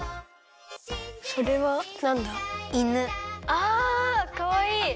あかわいい！